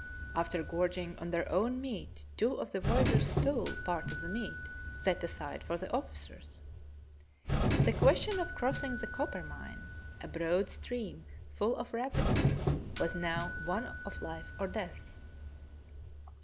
After gorging on their own meat two of the voyageurs stole part of the meat set aside for the officers. The question of crossing the Coppermine, a broad stream full of rapids, was now one of life or death.